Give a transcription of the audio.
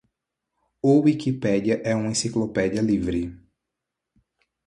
O Wikipédia é uma enciclopédia livre